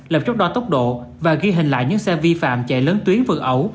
lập chốt đo tốc độ và ghi hình lại những xe vi phạm chạy lớn tuyến vượt ẩu